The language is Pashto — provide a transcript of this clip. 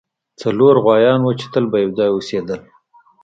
څلور غوایان وو چې تل به یو ځای اوسیدل.